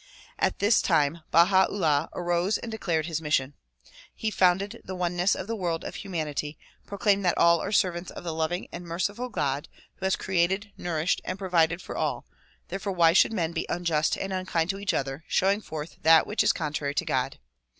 At this time Baha 'Ullah arose and declared his mission. He founded the oneness of the world of humanity, proclaimed that all are servants of the loving and merciful God who has created, nourished and provided for all, therefore why should men be unjust and unkind to each other, showing forth that which is contrary to God